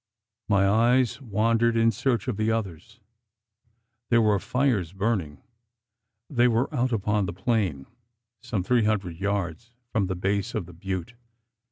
My eyes wandered in search of the others. There were fires burning. They were out upon the plain, some three hundred yards from the base of the butte.